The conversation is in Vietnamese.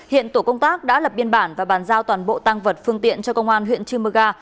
hiện tổ công tác đã lập biên bản và bàn giao toàn bộ tăng vật phương tiện cho công an huyện chư mơ ga